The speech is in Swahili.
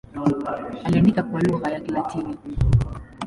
Aliandika kwa lugha ya Kilatini.